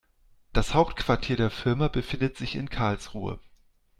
Das Hauptquartier der Firma befindet sich in Karlsruhe